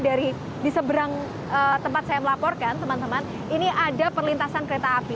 dari di seberang tempat saya melaporkan teman teman ini ada perlintasan kereta api